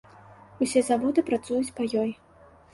Усе заводы працуюць па ёй.